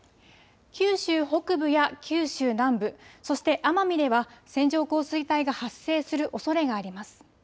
九州北部や九州南部、そして奄美では線状降水帯が発生するおそれがあります。